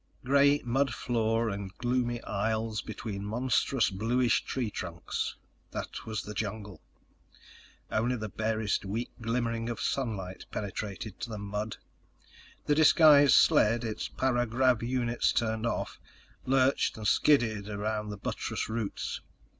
Gray mud floor and gloomy aisles between monstrous bluish tree trunks—that was the jungle. Only the barest weak glimmering of sunlight penetrated to the mud. The disguised sled—its para grav units turned off—lurched and skidded around buttress roots.